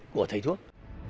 của thầy thuốc